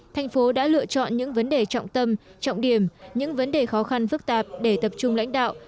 thành phố đã lựa chọn những vấn đề trọng tâm trọng điểm những vấn đề khó khăn phức tạp để tập trung lãnh đạo